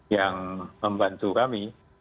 yang membantu kami